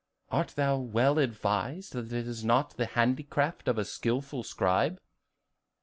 Art thou well advised that it is not the handicraft of a skillful scribe?"